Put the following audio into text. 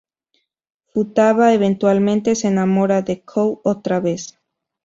Futaba eventualmente se enamora de Kou otra vez.